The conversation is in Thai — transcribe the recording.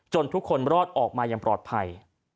ทุกคนรอดออกมาอย่างปลอดภัย